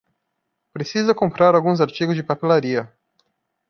Precisa comprar alguns artigos de papelaria